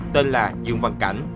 tên là dương văn cảnh